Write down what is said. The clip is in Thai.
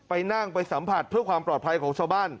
ไปนั่งไปสัมผัสเวที่สำหรับ